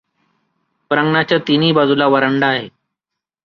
प्रांगणाच्या तीनही बाजूला वर् हांडा आहे.